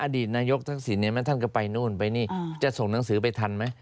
อดีตนายกทักษิณเห็นไหมท่านก็ไปนู่นไปนี่จะส่งหนังสือไปทันไหม